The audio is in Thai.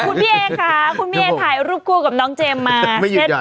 คุณพี่เอค่ะคุณพี่เอถ่ายรูปคู่กับน้องเจมส์มา